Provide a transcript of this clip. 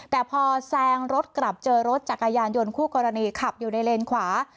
แต่พอแซงรถกลับเจอรถจักรยานยนต์คู่กรณีขับอยู่ในเลนขวา